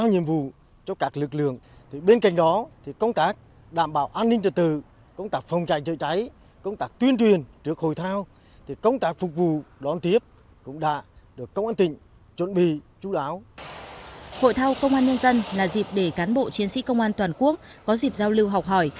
hội thao công an nhân dân là dịp để cán bộ chiến sĩ công an toàn quốc có dịp giao lưu học hỏi